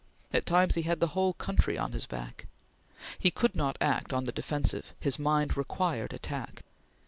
At times he had the whole country on his back. He could not act on the defensive; his mind required attack.